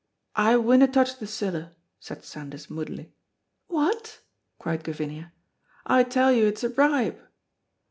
"I winna touch the siller," said Sandys, moodily. "What?" cried Gavinia. "I tell you it's a bribe."